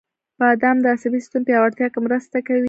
• بادام د عصبي سیستم پیاوړتیا کې مرسته کوي.